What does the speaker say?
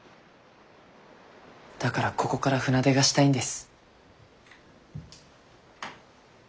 だからここから船出がしたいんです。